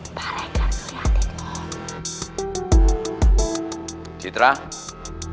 pak rekar kelihatan dulu